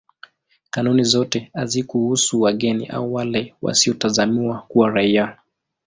Kanuni zote hazikuhusu wageni au wale wasiotazamiwa kuwa raia.